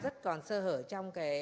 thưa các bạn